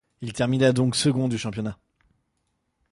Il termina donc second du championnat.